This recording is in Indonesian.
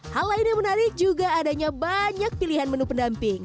hal lain yang menarik juga adanya banyak pilihan menu pendamping